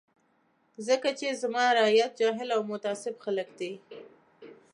ځکه چې زما رعیت جاهل او متعصب خلک دي.